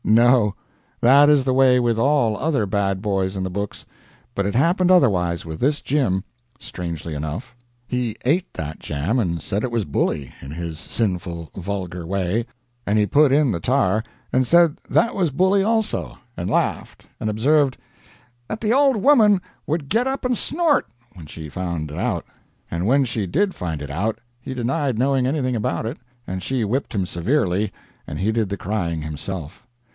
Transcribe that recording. No; that is the way with all other bad boys in the books; but it happened otherwise with this Jim, strangely enough. He ate that jam, and said it was bully, in his sinful, vulgar way; and he put in the tar, and said that was bully also, and laughed, and observed "that the old woman would get up and snort" when she found it out; and when she did find it out, he denied knowing anything about it, and she whipped him severely, and he did the crying himself.